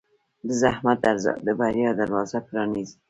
د زحمت ارزښت د بریا دروازه پرانیزي.